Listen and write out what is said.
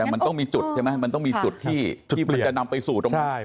มันต้องมีจุดใช่ไหมมันต้องมีจุดที่มันจะนำไปสู่ตรงนั้น